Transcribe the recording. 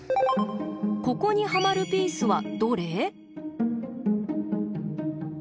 ここにはまるピースはどれ？